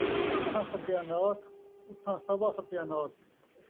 جتھاں ستیاناس، اُتھاں سوا ستیاناس